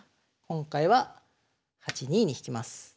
今回は８二に引きます。